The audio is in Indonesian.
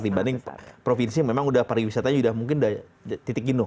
dibanding provinsi yang memang pariwisatanya mungkin sudah titik inu